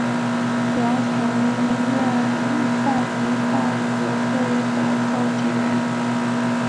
梁曾任泛民饭盒会的召集人。